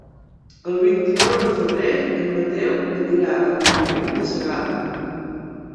El vint-i-nou de febrer en Mateu anirà a Montoliu de Segarra.